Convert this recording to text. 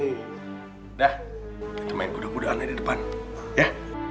udah kita main kuda kudaan aja di depan ya